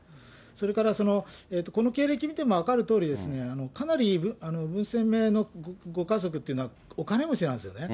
それから、この経歴見ても分かるとおり、かなり文鮮明のご家族というのはお金持ちなんですよね。